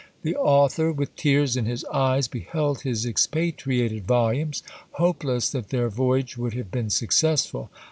The author with tears in his eyes beheld his expatriated volumes, hopeless that their voyage would have been successful.